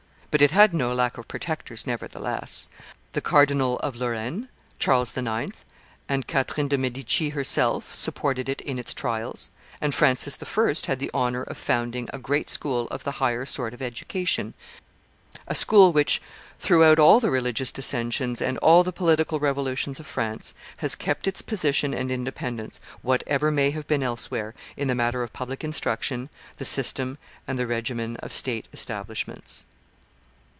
But it had no lack of protectors, nevertheless: the Cardinal of Lorraine, Charles IX., and Catherine de' Medici herself supported it in its trials; and Francis I. had the honor of founding a great school of the higher sort of education, a school, which, throughout all the religious dissensions and all the political revolutions of France, has kept its position and independence, whatever may have been elsewhere, in the matter of public instruction, the system and the regimen of state establishments.